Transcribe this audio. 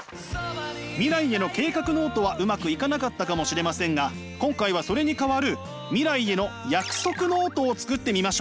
未来への計画ノートはうまくいかなかったかもしれませんが今回はそれに代わる未来への約束ノートを作ってみましょう！